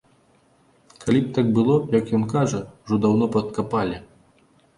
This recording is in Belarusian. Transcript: Калі б так было, як ён кажа, ужо даўно б адкапалі.